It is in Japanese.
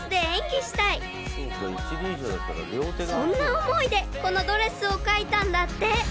［そんな思いでこのドレスを描いたんだって］